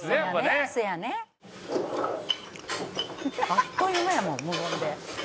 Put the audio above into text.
「あっという間やもん無言で」